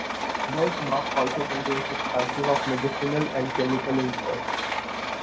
Birch bark also contains substances of medicinal and chemical interest.